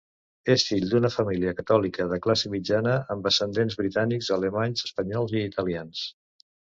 És fill d'una família catòlica de classe mitjana amb ascendents britànics, alemanys, espanyols i italians.